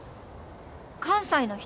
関西の人？